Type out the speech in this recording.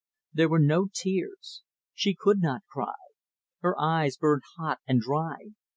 There were no tears. She could not cry. Her eyes burned hot and dry.